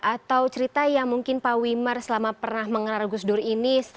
atau cerita yang mungkin pak wimar selama pernah mengenal gus dur ini